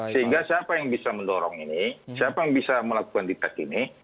sehingga siapa yang bisa mendorong ini siapa yang bisa melakukan detek ini